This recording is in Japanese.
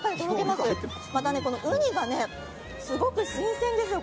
また、ウニがすごく新鮮ですよ。